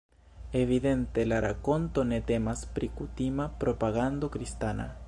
Evidente, la rakonto ne temas pri kutima propagando kristana.